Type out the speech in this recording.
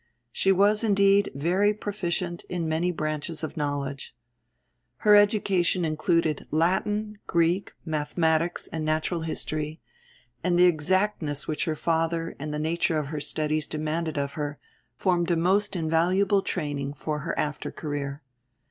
She was indeed very proficient in many branches of knowledge. Her education included Latin, Greek, mathematics, and natural history; and the exactness which her father and the nature of her studies demanded of her, formed a most invaluable training for her after career.